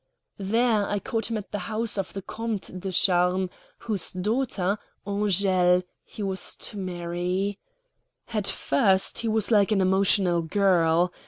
There I caught him at the house of the Compte de Charmes, whose daughter, Angele, he was to marry. At first he was like an emotional girl.